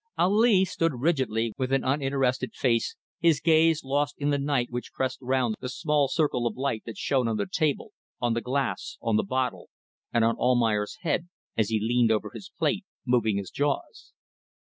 Ali stood rigidly straight with an uninterested face, his gaze lost in the night which pressed round the small circle of light that shone on the table, on the glass, on the bottle, and on Almayer's head as he leaned over his plate moving his jaws.